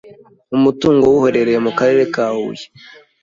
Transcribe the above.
umutungo we uherereye mu Karere ka Huye